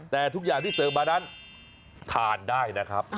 แต่ทุกอย่างที่เสิร์ฟมานั้นทานได้นะครับ